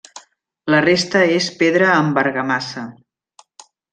La resta és pedra amb argamassa.